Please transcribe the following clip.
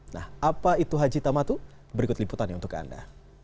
nah apa itu haji tamatu berikut liputannya untuk anda